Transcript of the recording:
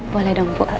boleh dong bu